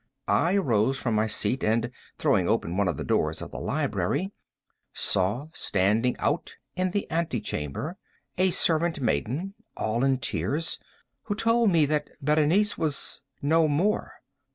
I arose from my seat, and throwing open one of the doors of the library, saw standing out in the ante chamber a servant maiden, all in tears, who told me that Berenice was—no more!